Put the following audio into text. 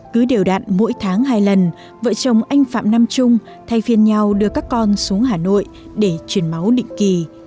cứ đều đặn mỗi tháng hai lần vợ chồng anh phạm nam trung thay phiên nhau đưa các con xuống hà nội để chuyển máu định kỳ